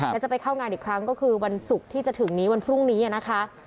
และจะไปเข้างานอีกครั้งก็คือวันศุกร์ที่จะถึงนี้วันพรุ่งนี้นะคะ